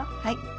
はい。